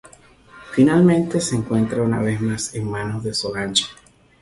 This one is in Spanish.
Finalmente, se encuentra una vez mas en manos de Solange.